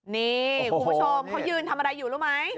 นี่คุณผู้ชมเขายืนทำอะไรอยู่รู้ไหม